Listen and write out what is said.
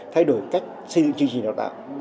thay đổi cách xây dựng chương trình đào tạo